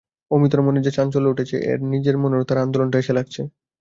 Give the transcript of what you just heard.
অমিতর মনে যে চাঞ্চল্য উঠেছে ওর নিজের মনেও তার আন্দোলনটা এসে লাগছে।